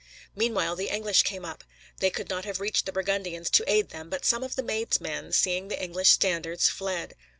Meanwhile the English came up; they could not have reached the Burgundians, to aid them, but some of the Maid's men, seeing the English standards, fled.